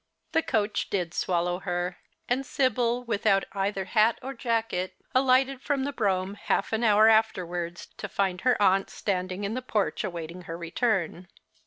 The coach did swallow her ; and KSibyl, \\ ithout either hat or jacket, alighted from the brougham half an hour afterwards to find her aunt standing in the porch awaiting her return.